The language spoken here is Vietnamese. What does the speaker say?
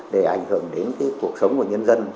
để ảnh hưởng đến cuộc sống của nhân dân